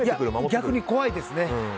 逆に怖いですね。